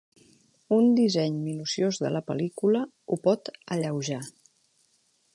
Un disseny minuciós de la pel·lícula ho pot alleujar.